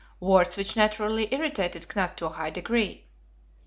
Words which naturally irritated Knut to a high degree.